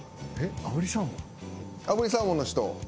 炙りサーモンの人。